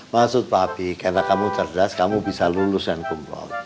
maksud papi karena kamu cerdas kamu bisa lulusan kumlot